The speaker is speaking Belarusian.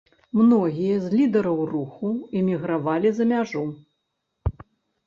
Многія з лідараў руху эмігравалі за мяжу.